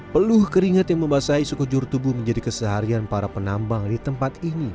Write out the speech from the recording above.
peluh keringat yang membasahi sekejur tubuh menjadi keseharian para penambang di tempat ini